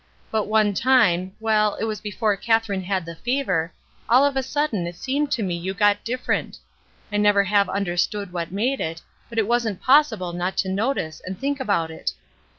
But one time, well, it was before Katherine had the fever, all of a sudden it seemed to me you got different. I never have understood what made it, but it WHY SHE "QUIT" 317 wasn't possible not to notice and think about it.